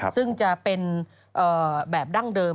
ซึ่งจะเป็นแบบดั้งเดิม